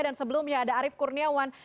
dan sebelumnya ada arief kurniawan